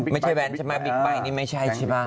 ไม่ใช่แวนไม่ใช่บิ๊กไบท์นี่ไม่ใช่ใช่ไหม